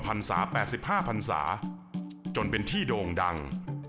พันศา๘๕พันศาจนเป็นที่โด่งดัง